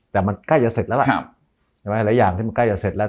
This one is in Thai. แต่มันใกล้จะเสร็จแล้วล่ะใช่ไหมหลายอย่างที่มันใกล้จะเสร็จแล้ว